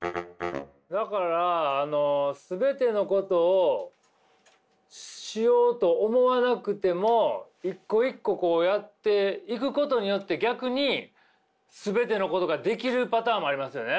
だから全てのことをしようと思わなくても一個一個やっていくことによって逆に全てのことができるパターンもありますよね。